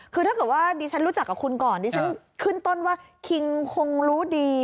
คือถ้าเกิดว่าดิฉันรู้จักกับคุณก่อนดิฉันขึ้นต้นว่าคิงคงรู้ดี